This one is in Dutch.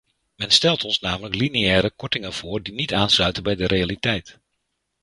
Men stelt ons namelijk lineaire kortingen voor die niet aansluiten bij de realiteit.